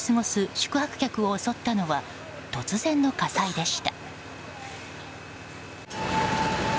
宿泊客を襲ったのは突然の火災でした。